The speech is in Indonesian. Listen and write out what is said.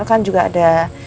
kan juga ada